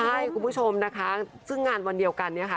ใช่คุณผู้ชมนะคะซึ่งงานวันเดียวกันเนี่ยค่ะ